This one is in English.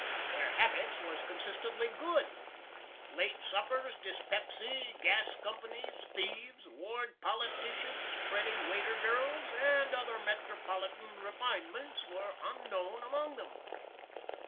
Their habits was consequently good. Late suppers, dyspepsy, gas companies, thieves, ward politicians, pretty waiter girls, and other metropolitan refinements, were unknown among them.